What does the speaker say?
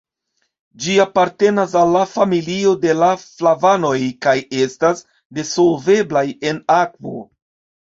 Ĝi apartenas al la familio de la flavanoj kaj estas nesolvebla en akvo.